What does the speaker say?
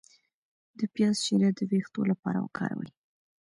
د پیاز شیره د ویښتو لپاره وکاروئ